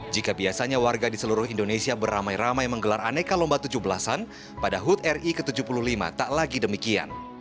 jika biasanya warga di seluruh indonesia beramai ramai menggelar aneka lomba tujuh belas an pada hut ri ke tujuh puluh lima tak lagi demikian